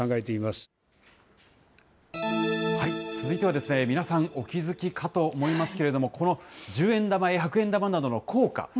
続いては皆さん、お気付きかと思いますけれども、この十円玉や百円玉などの硬貨。